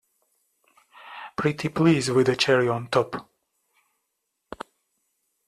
Pretty please with a cherry on top!